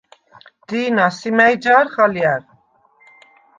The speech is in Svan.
დი̄ნა, სი მა̈ჲ ჯა̄რხ ალჲა̈რ?